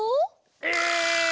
え！